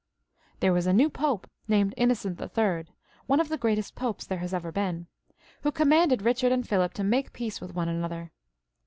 There was a new Pope, named Innocent III., one of the greatest Popes there has ever been, who commanded Bichard and Philip to make peace with one another.